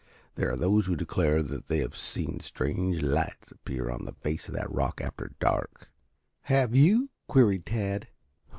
There are those who declare they have seen strange lights appear on the face of the rock after dark." "Have you?" queried Tad.